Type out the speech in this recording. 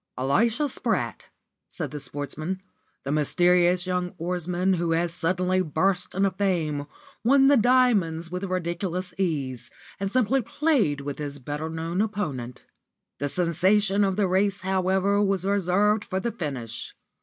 "Elisha Spratt," said the Sportsman, "the mysterious young oarsman who has suddenly burst into fame, won the 'Diamonds' with ridiculous ease, and simply played with his better known opponent. The sensation of the race, however, was reserved for the finish.